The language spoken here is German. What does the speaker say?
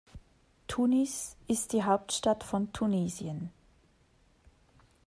Tunis ist die Hauptstadt von Tunesien.